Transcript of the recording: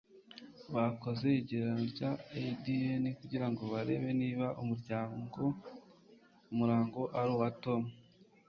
Bakoze igereranya rya ADN kugirango barebe niba umurambo ari uwa Tom